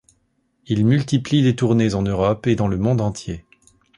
Il multiplie les tournées en Europe et dans le monde entier.